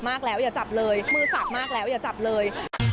เพราะมือสาบมากแล้วอย่าจับเลย